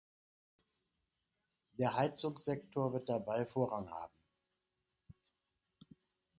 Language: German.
Der Heizungssektor wird dabei Vorrang haben.